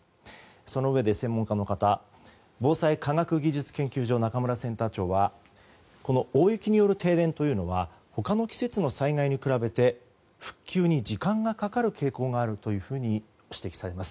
そのうえで、専門家の方防災科学技術研究所の中村センター長はこの大雪による停電というのは他の季節の災害に比べて復旧に時間がかかる傾向があると指摘されます。